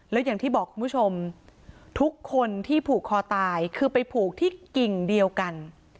แล้วอย่างที่บอกคุณผู้ชมทุกคนที่ผูกคอตายคือไปผูกที่กิ่งเดียวกัน